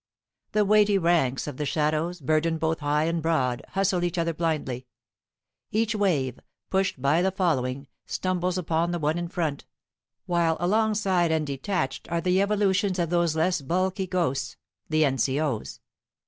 The weighty ranks of the shadows, burdened both high and broad, hustle each other blindly. Each wave, pushed by the following, stumbles upon the one in front, while alongside and detached are the evolutions of those less bulky ghosts, the N.C.O.'s.